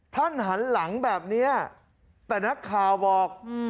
ท่านหันหลังแบบนี้แต่นักข่าวบอก